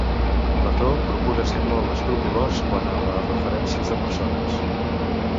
Plató procura ser molt escrupolós quant a les referències de persones.